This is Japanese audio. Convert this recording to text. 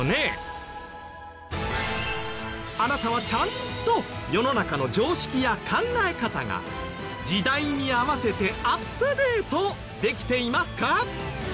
あなたはちゃんと世の中の常識や考え方が時代に合わせてアップデートできていますか？